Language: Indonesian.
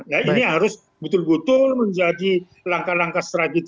ya ini harus betul betul menjadi langkah langkah strategis